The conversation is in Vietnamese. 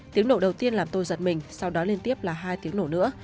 tiếng nổ đầu tiên làm tôi giật mình sau đó liên tiếp là hai tiếng nổ nữa